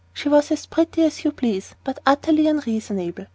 She was as pretty as you please, but utterly unreasonable.